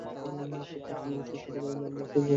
খুব কাছে গিয়েও শেষ করতে পারিনি আমরা, সবারই খুব খারাপ লাগছে।